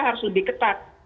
harus lebih ketat